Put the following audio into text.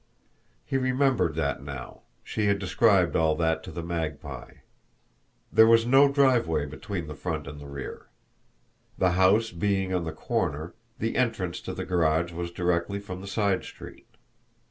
He remembered that now she had described all that to the Magpie. There was no driveway between the front and the rear. The house being on the corner, the entrance to the garage was directly from the side street.